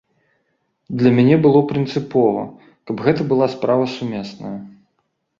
Для мяне было прынцыпова, каб гэта была справа сумесная.